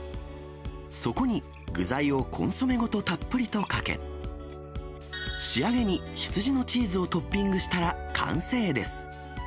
そこに具材をコンソメごとたっぷりとかけ、仕上げに、羊のチーズをトッピングしたら完成です。